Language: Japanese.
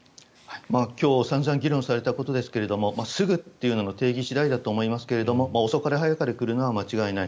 今日散々議論されたことですがすぐということの定義次第だと思いますが遅かれ早かれ来るのは間違いない。